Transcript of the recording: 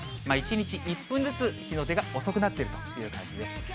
１日１分ずつ日の出が遅くなってるという感じです。